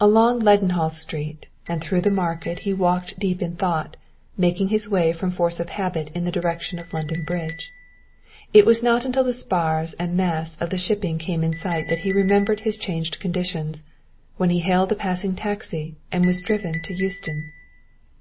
Along Leadenhall Street and through the market he walked deep in thought, making his way from force of habit in the direction of London Bridge. It was not until the spars and masts of the shipping came in sight that he remembered his changed conditions, when he hailed a passing taxi and was driven to Euston.